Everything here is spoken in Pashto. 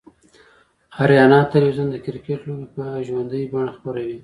آریانا تلویزیون دکرکټ لوبې به ژوندۍ بڼه خپروي